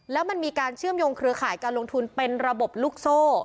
แล้วมันมีการเชื่อมโยงเครือข่ายการลงทุนเป็นระบบลูกโซ่